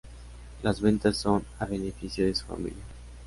Las ventas son a beneficio de su familia.